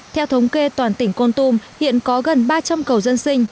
theo thống kê toàn tỉnh côn tùm hiện có gần ba trăm linh cầu dân sinh